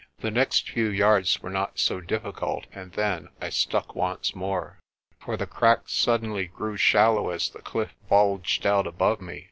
The next few yards were not so difficult, and then I stuck once more. For the crack suddenly grew shallow as the cliff bulged out above me.